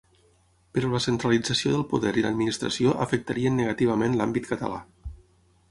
Però la centralització del poder i l'administració afectarien negativament l'àmbit català.